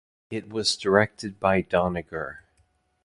It was directed by Doniger.